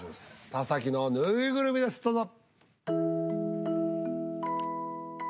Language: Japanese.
田崎の縫いぐるみですどうぞ。